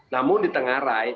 namun di tengah rai